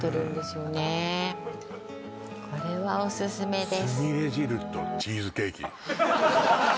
うんこれはオススメです